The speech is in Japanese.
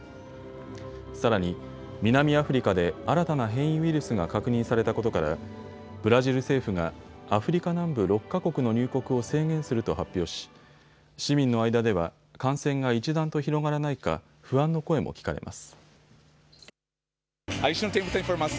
さらに南アフリカで新たな変異ウイルスが確認されたことからブラジル政府がアフリカ南部６か国の入国を制限すると発表し市民の間では感染が一段と広がらないか不安の声も聞かれます。